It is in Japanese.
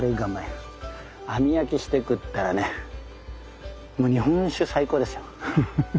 網焼きして食ったらねもう日本酒最高ですよ。